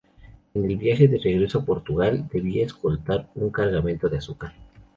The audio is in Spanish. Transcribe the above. En el viaje de regreso a Portugal, debía escoltar un cargamento de azúcar.